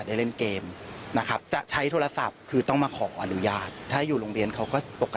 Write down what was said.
ฟังเสียงคุณแม่และก็น้องที่เสียชีวิตค่ะ